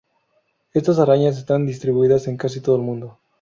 Estas arañas están distribuidas en casi todo el mundo.